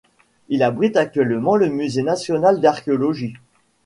Il abrite actuellement le musée national d’archéologie.